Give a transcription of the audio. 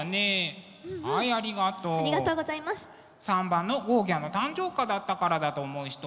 ３番のゴーギャンの誕生花だったからだと思う人。